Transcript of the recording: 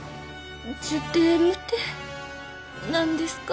ジュテームて何ですか？